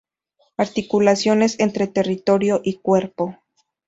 Articulaciones entre territorio y cuerpo".